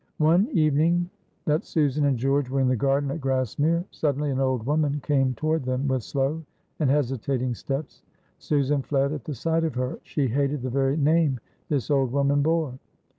One evening that Susan and George were in the garden at Grassmere, suddenly an old woman came toward them with slow and hesitating steps. Susan fled at the sight of her she hated the very name this old woman bore.